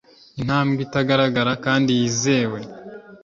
Intambwe itagaragara kandi yizewe